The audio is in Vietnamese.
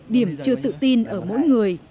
điểm chưa tự tin ở mỗi người